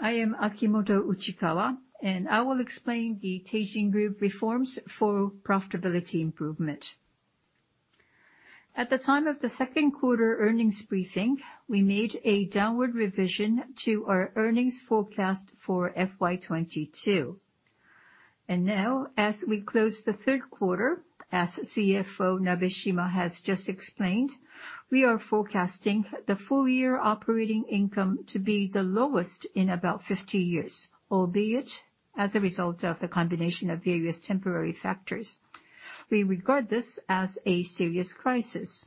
I am Akimoto Uchikawa. I will explain the Teijin Group reforms for profitability improvement. At the time of the second quarter earnings briefing, we made a downward revision to our earnings forecast for FY2022. Now as we close the third quarter, as CFO Nabeshima has just explained, we are forecasting the full year operating income to be the lowest in about 50 years, albeit as a result of the combination of various temporary factors. We regard this as a serious crisis.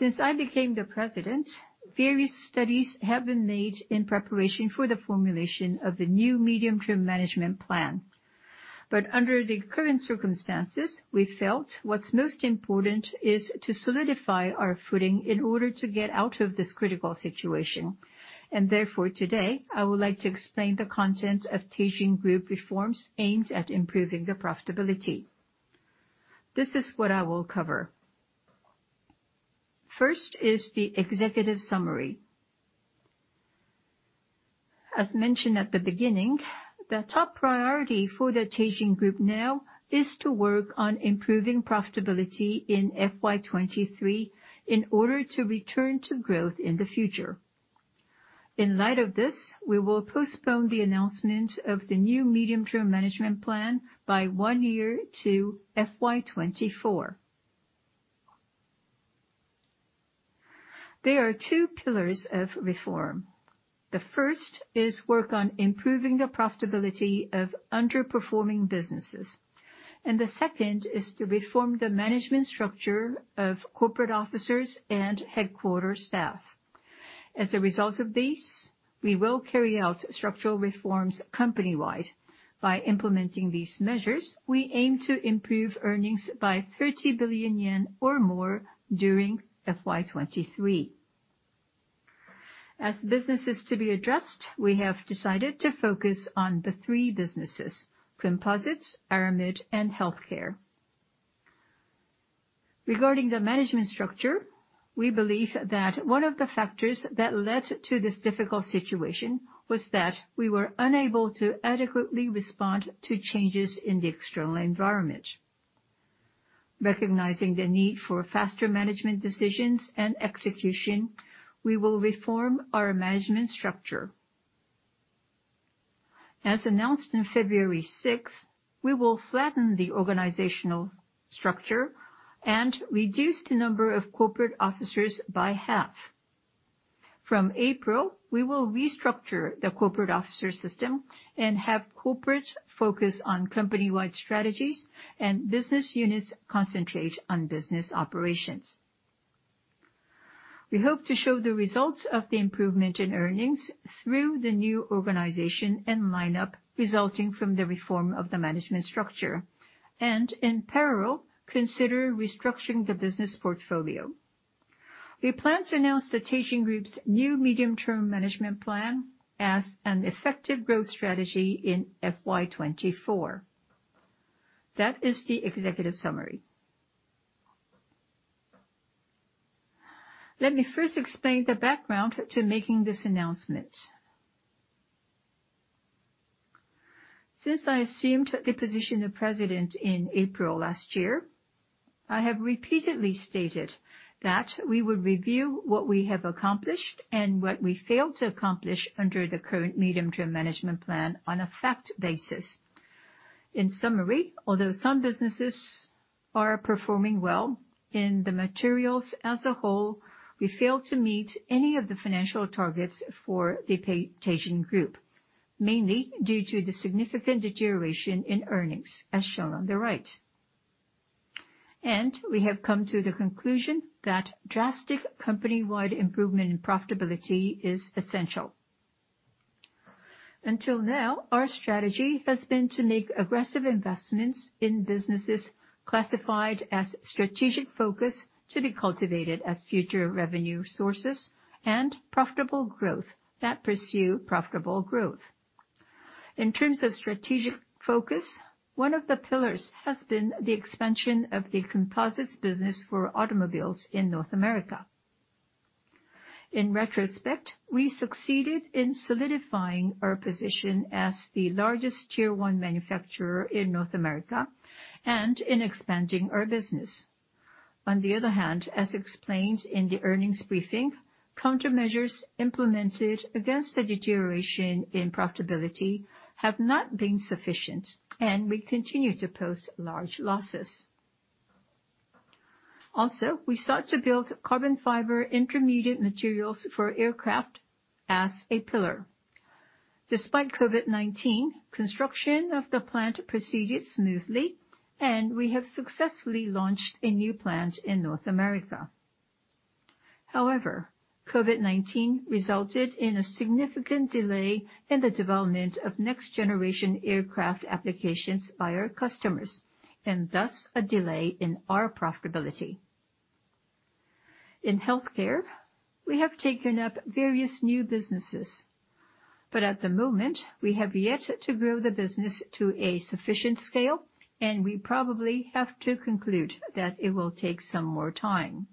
Since I became the president, various studies have been made in preparation for the formulation of the new Medium-Term Management Plan. Under the current circumstances, we felt what's most important is to solidify our footing in order to get out of this critical situation. Therefore, today, I would like to explain the content of Teijin Group reforms aimed at improving the profitability. This is what I will cover. First is the executive summary. As mentioned at the beginning, the top priority for the Teijin Group now is to work on improving profitability in FY 2023 in order to return to growth in the future. In light of this, we will postpone the announcement of the new Medium-Term Management Plan by one year to FY2024. There are two pillars of reform. The first is work on improving the profitability of underperforming businesses, and the second is to reform the management structure of corporate officers and headquarter staff. As a result of this, we will carry out structural reforms company-wide. By implementing these measures, we aim to improve earnings by 30 billion yen or more during FY 2023. As businesses to be addressed, we have decided to focus on the three businesses, composites, aramid, and healthcare. Regarding the management structure, we believe that one of the factors that led to this difficult situation was that we were unable to adequately respond to changes in the external environment. Recognizing the need for faster management decisions and execution, we will reform our management structure. As announced in February 6th, we will flatten the organizational structure and reduce the number of corporate officers by half. From April, we will restructure the corporate officer system and have corporate focus on company-wide strategies and business units concentrate on business operations. We hope to show the results of the improvement in earnings through the new organization and lineup resulting from the reform of the management structure and in parallel, consider restructuring the business portfolio. We plan to announce the Teijin Group's new Medium-Term Management Plan as an effective growth strategy in FY 2024. That is the executive summary. Let me first explain the background to making this announcement. Since I assumed the position of President in April last year, I have repeatedly stated that we would review what we have accomplished and what we failed to accomplish under the current Medium-Term Management Plan on a fact basis. In summary, although some businesses are performing well in the materials as a whole, we failed to meet any of the financial targets for the Teijin Group, mainly due to the significant deterioration in earnings, as shown on the right. We have come to the conclusion that drastic company-wide improvement in profitability is essential. Until now, our strategy has been to make aggressive investments in businesses classified as strategic focus to be cultivated as future revenue sources and profitable growth that pursue profitable growth. In terms of strategic focus, one of the pillars has been the expansion of the composites business for automobiles in North America. In retrospect, we succeeded in solidifying our position as the largest Tier 1 manufacturer in North America and in expanding our business. On the other hand, as explained in the earnings briefing, countermeasures implemented against the deterioration in profitability have not been sufficient, and we continue to post large losses. We start to build carbon fiber intermediate materials for aircraft as a pillar. Despite COVID-19, construction of the plant proceeded smoothly, and we have successfully launched a new plant in North America. COVID-19 resulted in a significant delay in the development of next-generation aircraft applications by our customers, and thus a delay in our profitability. In healthcare, we have taken up various new businesses, but at the moment we have yet to grow the business to a sufficient scale, and we probably have to conclude that it will take some more time.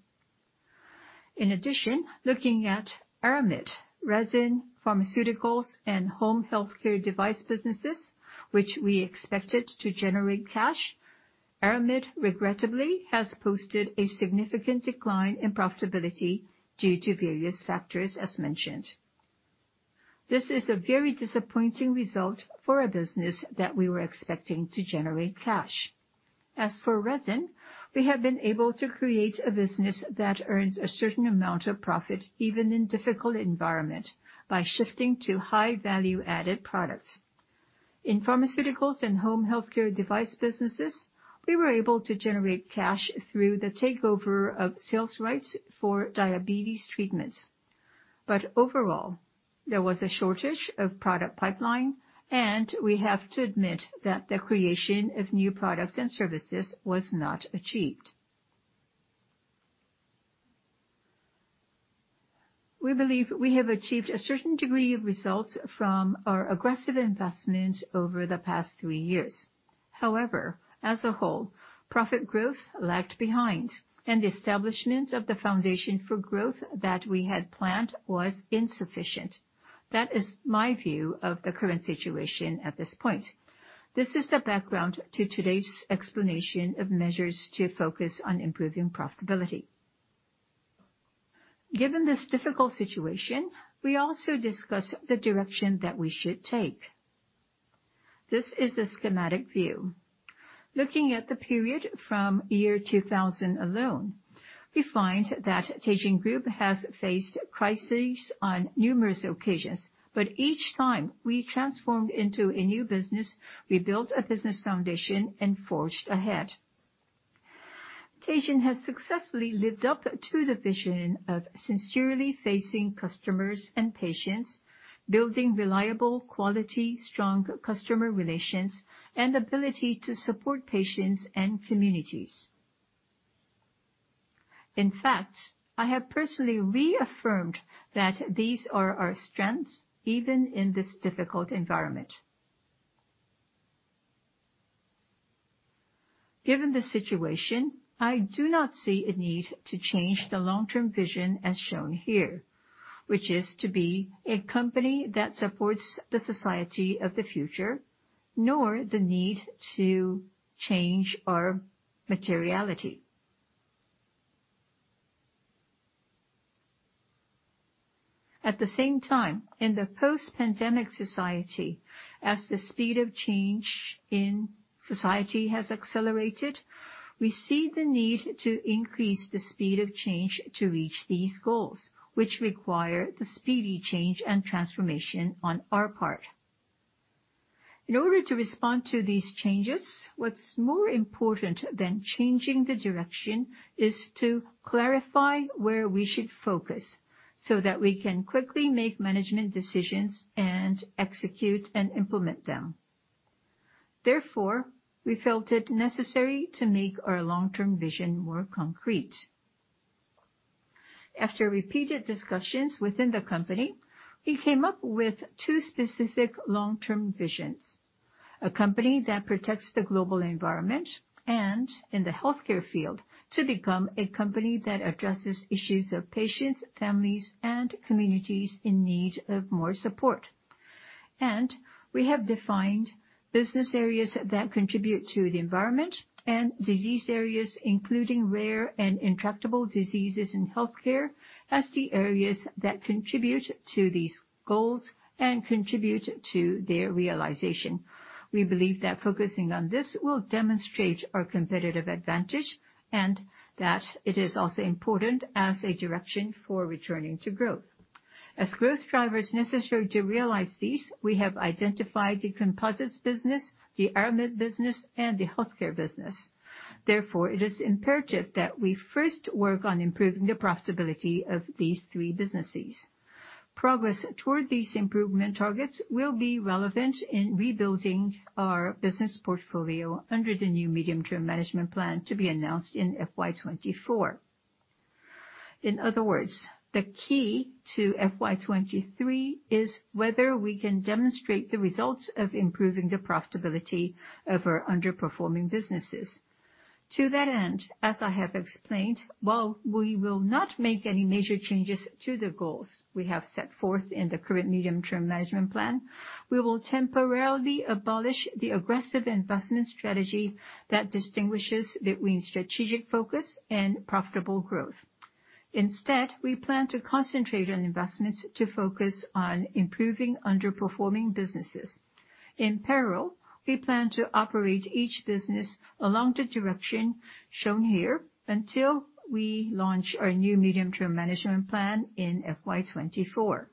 Looking at aramid, resin, pharmaceuticals, and home healthcare device businesses, which we expected to generate cash, aramid regrettably has posted a significant decline in profitability due to various factors as mentioned. This is a very disappointing result for a business that we were expecting to generate cash. As for resin, we have been able to create a business that earns a certain amount of profit even in difficult environment by shifting to high value-added products. In pharmaceuticals and home healthcare device businesses, we were able to generate cash through the takeover of sales rights for diabetes treatments. Overall, there was a shortage of product pipeline, and we have to admit that the creation of new products and services was not achieved. We believe we have achieved a certain degree of results from our aggressive investment over the past 3 years. As a whole, profit growth lagged behind, and the establishment of the foundation for growth that we had planned was insufficient. That is my view of the current situation at this point. This is the background to today's explanation of measures to focus on improving profitability. Given this difficult situation, we also discuss the direction that we should take. This is a schematic view. Looking at the period from 2000 alone, we find that Teijin Group has faced crises on numerous occasions. Each time we transformed into a new business, we built a business foundation and forged ahead. Teijin has successfully lived up to the vision of sincerely facing customers and patients, building reliable, quality, strong customer relations, and ability to support patients and communities. In fact, I have personally reaffirmed that these are our strengths even in this difficult environment. Given the situation, I do not see a need to change the long-term vision as shown here, which is to be a company that supports the society of the future, nor the need to change our materiality. In the post-pandemic society, as the speed of change in society has accelerated, we see the need to increase the speed of change to reach these goals, which require the speedy change and transformation on our part. In order to respond to these changes, what's more important than changing the direction is to clarify where we should focus, so that we can quickly make management decisions and execute and implement them. We felt it necessary to make our long-term vision more concrete. After repeated discussions within the company, we came up with two specific long-term visions. A company that protects the global environment and in the healthcare field to become a company that addresses issues of patients, families, and communities in need of more support. We have defined business areas that contribute to the environment and disease areas, including rare and intractable diseases in healthcare as the areas that contribute to these goals and contribute to their realization. We believe that focusing on this will demonstrate our competitive advantage, and that it is also important as a direction for returning to growth. As growth drivers necessary to realize these, we have identified the composites business, the aramid business, and the healthcare business. It is imperative that we first work on improving the profitability of these three businesses. Progress toward these improvement targets will be relevant in rebuilding our business portfolio under the new Medium-Term Management Plan to be announced in FY 2024. The key to FY 2023 is whether we can demonstrate the results of improving the profitability of our underperforming businesses. As I have explained, while we will not make any major changes to the goals we have set forth in the current Medium-Term Management Plan, we will temporarily abolish the aggressive investment strategy that distinguishes between strategic focus and profitable growth. We plan to concentrate on investments to focus on improving underperforming businesses. In parallel, we plan to operate each business along the direction shown here until we launch our new Medium-Term Management Plan in FY 2024.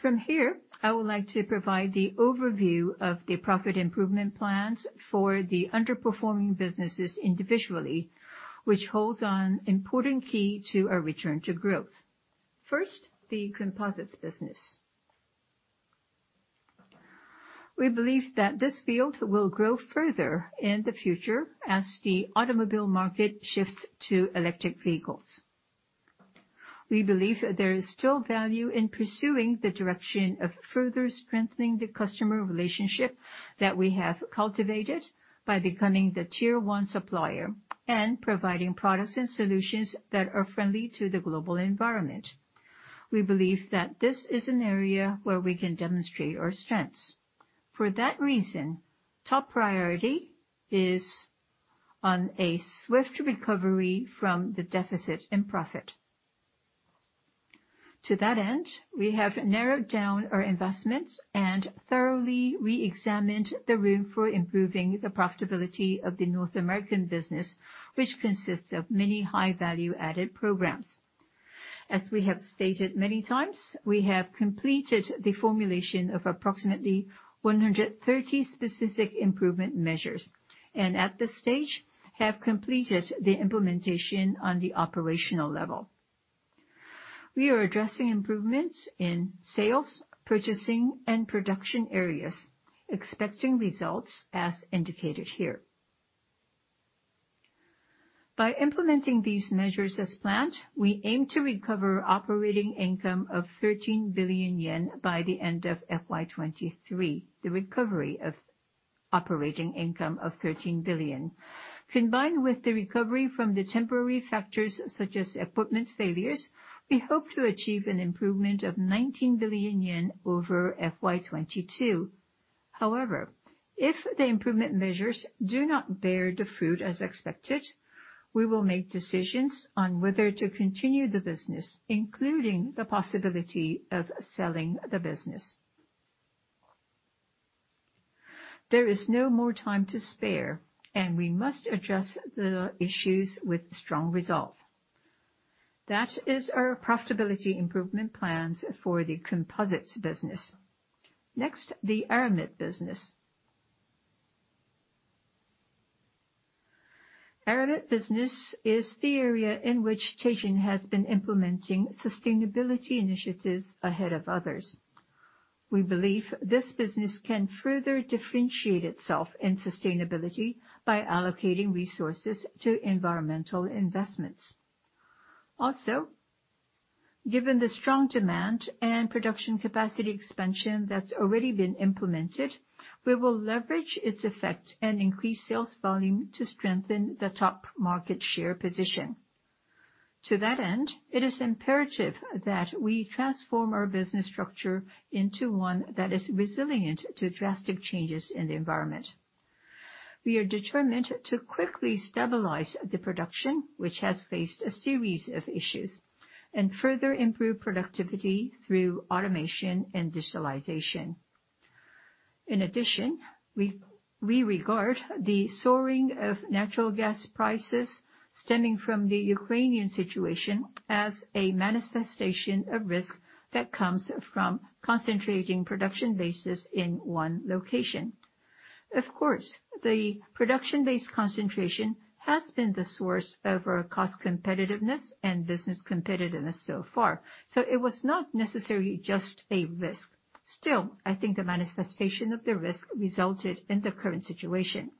From here, I would like to provide the overview of the profit improvement plans for the underperforming businesses individually, which holds an important key to our return to growth. First, the composites business. We believe that this field will grow further in the future as the automobile market shifts to electric vehicles. We believe that there is still value in pursuing the direction of further strengthening the customer relationship that we have cultivated by becoming the Tier 1 supplier and providing products and solutions that are friendly to the global environment. We believe that this is an area where we can demonstrate our strengths. For that reason, top priority is on a swift recovery from the deficit and profit. To that end, we have narrowed down our investments and thoroughly reexamined the room for improving the profitability of the North American business, which consists of many high value-added programs. As we have stated many times, we have completed the formulation of approximately 130 specific improvement measures, and at this stage, have completed the implementation on the operational level. We are addressing improvements in sales, purchasing, and production areas, expecting results as indicated here. By implementing these measures as planned, we aim to recover operating income of 13 billion yen by the end of FY 2023, the recovery of operating income of 13 billion. Combined with the recovery from the temporary factors such as equipment failures, we hope to achieve an improvement of 19 billion yen over FY 2022. If the improvement measures do not bear the fruit as expected, we will make decisions on whether to continue the business, including the possibility of selling the business. There is no more time to spare, we must address the issues with strong resolve. That is our profitability improvement plans for the composites business. The aramid business. Aramid business is the area in which Teijin has been implementing sustainability initiatives ahead of others. We believe this business can further differentiate itself in sustainability by allocating resources to environmental investments. Given the strong demand and production capacity expansion that's already been implemented, we will leverage its effect and increase sales volume to strengthen the top market share position. To that end, it is imperative that we transform our business structure into one that is resilient to drastic changes in the environment. We are determined to quickly stabilize the production, which has faced a series of issues, and further improve productivity through automation and digitalization. In addition, we regard the soaring of natural gas prices stemming from the Ukrainian situation as a manifestation of risk that comes from concentrating production bases in one location. Of course, the production base concentration has been the source of our cost competitiveness and business competitiveness so far, so it was not necessarily just a risk. I think the manifestation of the risk resulted in the current situation.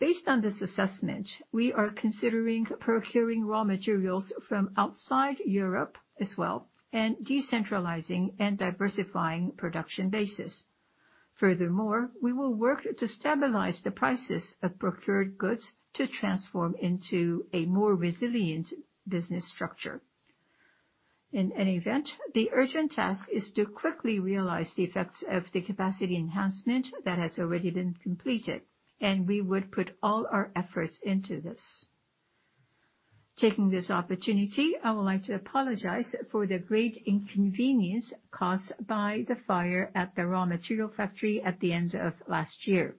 Based on this assessment, we are considering procuring raw materials from outside Europe as well and decentralizing and diversifying production bases. We will work to stabilize the prices of procured goods to transform into a more resilient business structure. In any event, the urgent task is to quickly realize the effects of the capacity enhancement that has already been completed, and we would put all our efforts into this. Taking this opportunity, I would like to apologize for the great inconvenience caused by the fire at the raw material factory at the end of last year.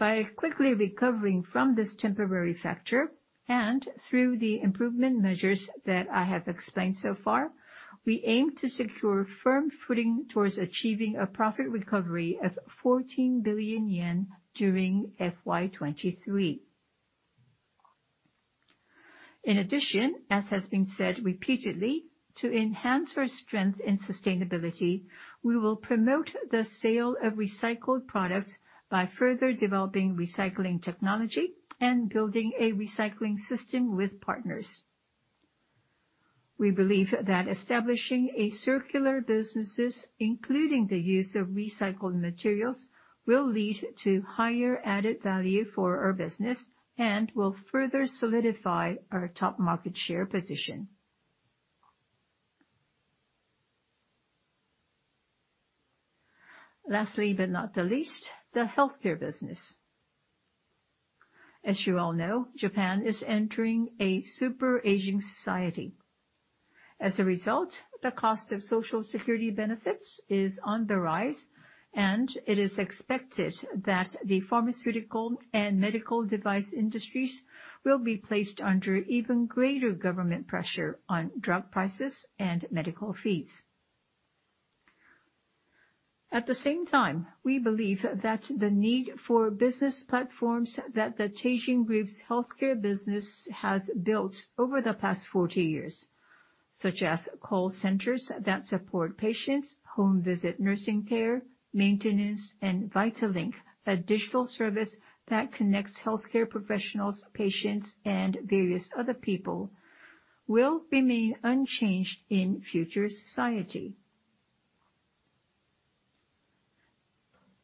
By quickly recovering from this temporary factor, and through the improvement measures that I have explained so far, we aim to secure firm footing towards achieving a profit recovery of 14 billion yen during FY2023. In addition, as has been said repeatedly, to enhance our strength and sustainability, we will promote the sale of recycled products by further developing recycling technology and building a recycling system with partners. We believe that establishing a circular businesses, including the use of recycled materials, will lead to higher added value for our business and will further solidify our top market share position. Lastly, but not the least, the healthcare business. As you all know, Japan is entering a super aging society. As a result, the cost of Social Security benefits is on the rise, and it is expected that the pharmaceutical and medical device industries will be placed under even greater government pressure on drug prices and medical fees. At the same time, we believe that the need for business platforms that the Teijin Group's healthcare business has built over the past forty years, such as call centers that support patients, home visit nursing care, maintenance, and VitalLink, a digital service that connects healthcare professionals, patients, and various other people will remain unchanged in future society.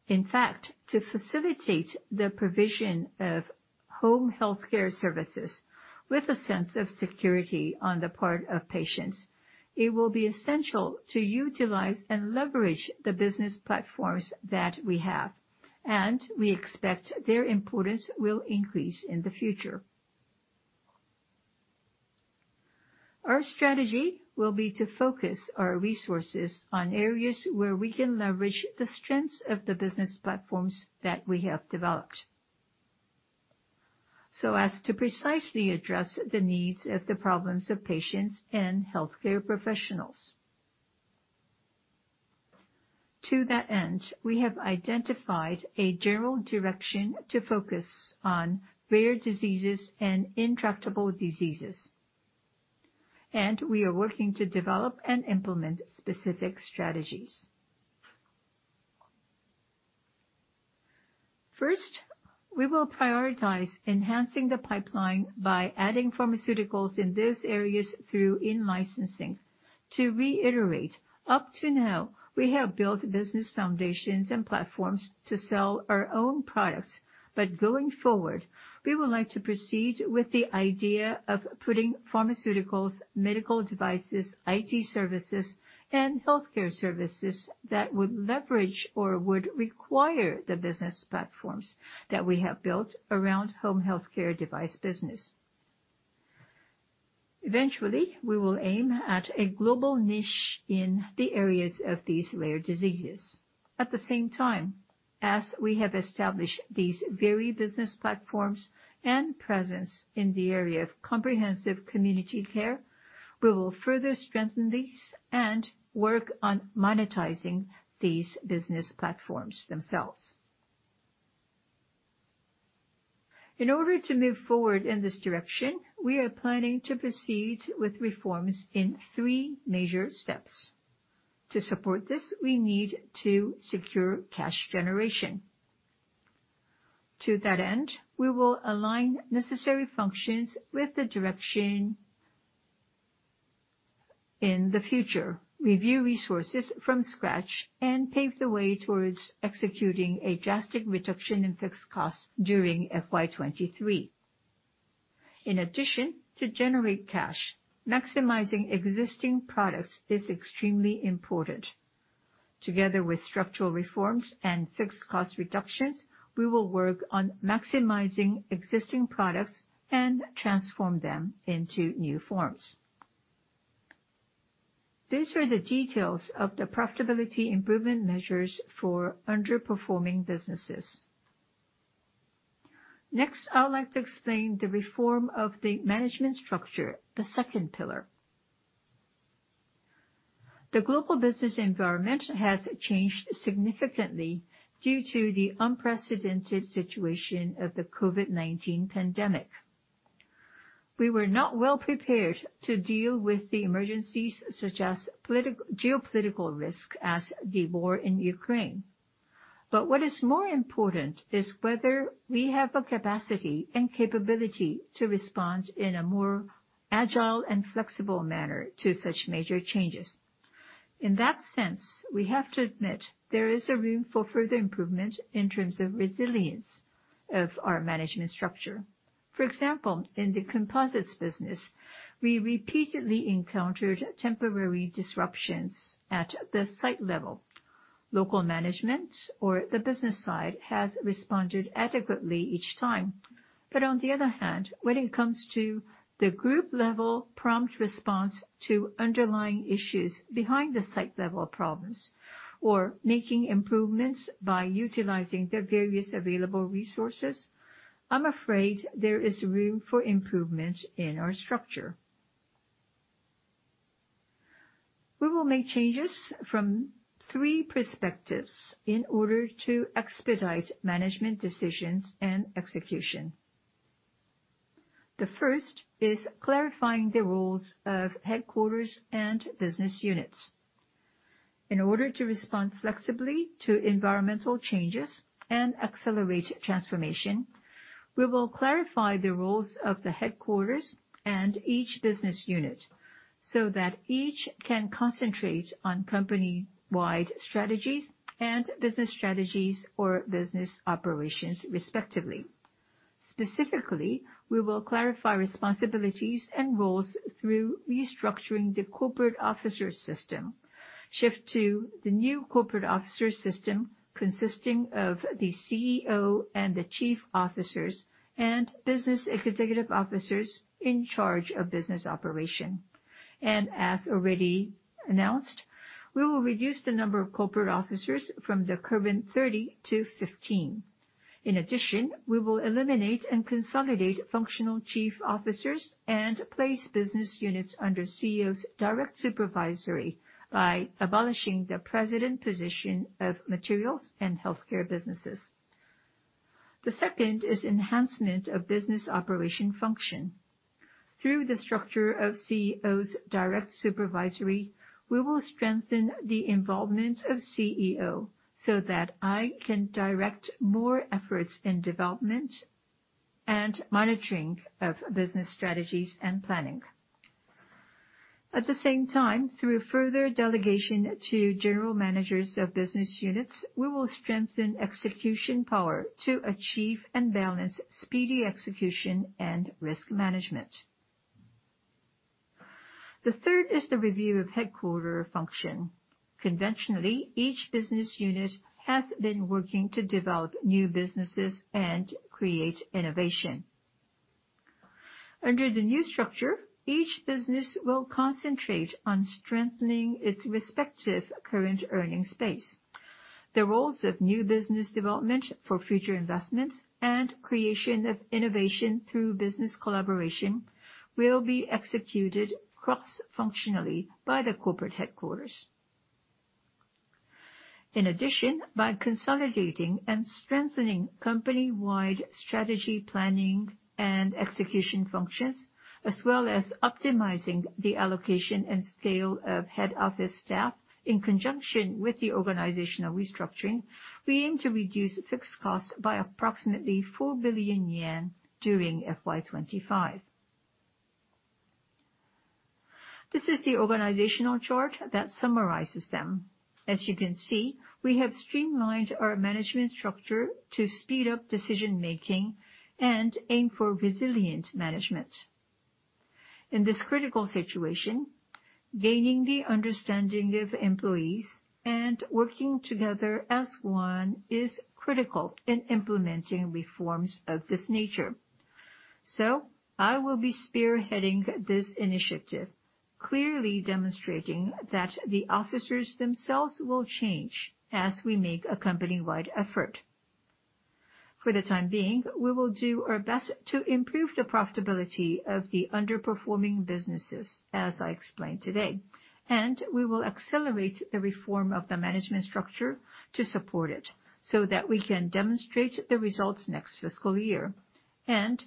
In fact, to facilitate the provision of home healthcare services with a sense of security on the part of patients, it will be essential to utilize and leverage the business platforms that we have, and we expect their importance will increase in the future. Our strategy will be to focus our resources on areas where we can leverage the strengths of the business platforms that we have developed, so as to precisely address the needs of the problems of patients and healthcare professionals. To that end, we have identified a general direction to focus on rare diseases and intractable diseases, and we are working to develop and implement specific strategies. First, we will prioritize enhancing the pipeline by adding pharmaceuticals in these areas through in-licensing. To reiterate, up to now, we have built business foundations and platforms to sell our own products. Going forward, we would like to proceed with the idea of putting pharmaceuticals, medical devices, IT services, and healthcare services that would leverage or would require the business platforms that we have built around home healthcare device business. Eventually, we will aim at a global niche in the areas of these rare diseases. At the same time, as we have established these very business platforms and presence in the area of comprehensive community care, we will further strengthen these and work on monetizing these business platforms themselves. In order to move forward in this direction, we are planning to proceed with reforms in three major steps. To support this, we need to secure cash generation. To that end, we will align necessary functions with the direction in the future, review resources from scratch, and pave the way towards executing a drastic reduction in fixed costs during FY 2023. In addition to generate cash, maximizing existing products is extremely important. Together with structural reforms and fixed cost reductions, we will work on maximizing existing products and transform them into new forms. These are the details of the profitability improvement measures for underperforming businesses. I would like to explain the reform of the management structure, the second pillar. The global business environment has changed significantly due to the unprecedented situation of the COVID-19 pandemic. We were not well prepared to deal with the emergencies such as geopolitical risk as the war in Ukraine. What is more important is whether we have the capacity and capability to respond in a more agile and flexible manner to such major changes. In that sense, we have to admit there is a room for further improvement in terms of resilience of our management structure. For example, in the composites business, we repeatedly encountered temporary disruptions at the site level. Local management or the business side has responded adequately each time. On the other hand, when it comes to the group level prompt response to underlying issues behind the site-level problems or making improvements by utilizing the various available resources, I'm afraid there is room for improvement in our structure. We will make changes from three perspectives in order to expedite management decisions and execution. The first is clarifying the roles of headquarters and business units. In order to respond flexibly to environmental changes and accelerate transformation, we will clarify the roles of the headquarters and each business unit so that each can concentrate on company-wide strategies and business strategies or business operations, respectively. Specifically, we will clarify responsibilities and roles through restructuring the corporate officer system. Shift to the new corporate officer system consisting of the CEO and the chief officers and business executive officers in charge of business operation. As already announced, we will reduce the number of corporate officers from the current 30-15. In addition, we will eliminate and consolidate functional chief officers and place business units under CEO's direct supervisory by abolishing the president position of materials and healthcare businesses. The second is enhancement of business operation function. Through the structure of CEO's direct supervisory, we will strengthen the involvement of CEO so that I can direct more efforts in development and monitoring of business strategies and planning. At the same time, through further delegation to general managers of business units, we will strengthen execution power to achieve and balance speedy execution and risk management. The third is the review of headquarters function. Conventionally, each business unit has been working to develop new businesses and create innovation. Under the new structure, each business will concentrate on strengthening its respective current earning space. The roles of new business development for future investments and creation of innovation through business collaboration will be executed cross-functionally by the corporate headquarters. By consolidating and strengthening company-wide strategy planning and execution functions, as well as optimizing the allocation and scale of head office staff in conjunction with the organizational restructuring, we aim to reduce fixed costs by approximately 4 billion yen during FY 2025. This is the organizational chart that summarizes them. As you can see, we have streamlined our management structure to speed up decision-making and aim for resilient management. In this critical situation, gaining the understanding of employees and working together as one is critical in implementing reforms of this nature. I will be spearheading this initiative, clearly demonstrating that the officers themselves will change as we make a company-wide effort. For the time being, we will do our best to improve the profitability of the underperforming businesses, as I explained today. We will accelerate the reform of the management structure to support it so that we can demonstrate the results next fiscal year.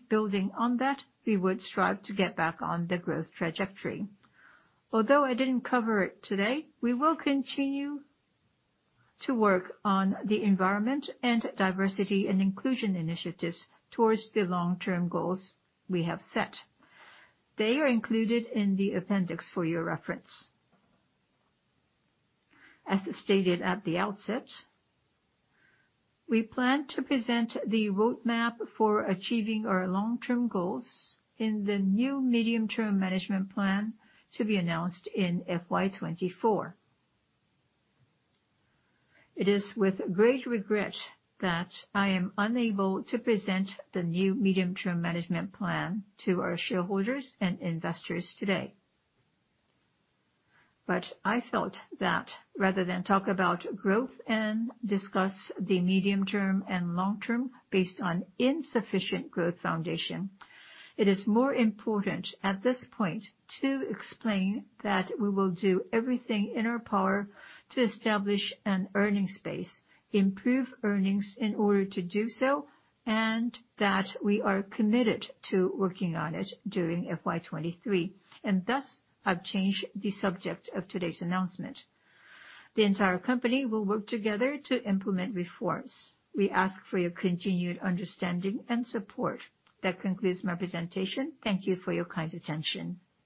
Building on that, we would strive to get back on the growth trajectory. Although I didn't cover it today, we will continue to work on the environment and diversity and inclusion initiatives towards the long-term goals we have set. They are included in the appendix for your reference. As stated at the outset, we plan to present the roadmap for achieving our long-term goals in the new Medium-Term Management Plan to be announced in FY 2024. It is with great regret that I am unable to present the new Medium-Term Management Plan to our shareholders and investors today. I felt that rather than talk about growth and discuss the medium term and long term based on insufficient growth foundation, it is more important at this point to explain that we will do everything in our power to establish an earning space, improve earnings in order to do so, and that we are committed to working on it during FY2023. Thus I've changed the subject of today's announcement. The entire company will work together to implement reforms. We ask for your continued understanding and support. That concludes my presentation. Thank you for your kind attention.